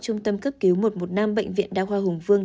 trung tâm cấp cứu một trăm một mươi năm bệnh viện đa khoa hùng vương